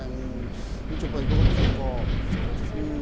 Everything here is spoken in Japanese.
みちょぱ、いかがですか？